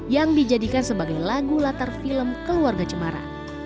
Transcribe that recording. yang dijadikan sebagai lagu latar film keluarga cemara